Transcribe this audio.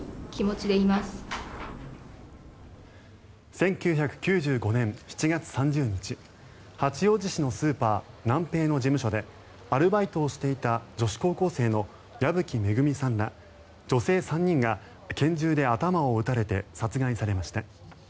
１９９５年７月３０日八王子市のスーパーナンペイの事務所でアルバイトをしていた女子高校生の矢吹恵さんら女性３人が拳銃で頭を撃たれて殺害されました。